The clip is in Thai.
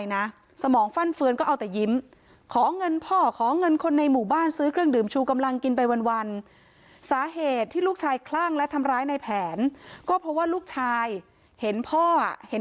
เงินคนในหมู่บ้านซื้อเครื่องดื่มชูกำลังกินไปวันสาเหตุที่ลูกชายคลั่งและทำร้ายในแผนก็เพราะว่าลูกชายเห็นพ่อเห็น